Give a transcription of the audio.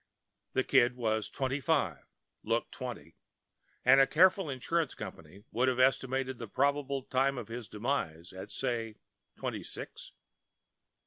The Kid was twenty five, looked twenty; and a careful insurance company would have estimated the probable time of his demise at, say, twenty six.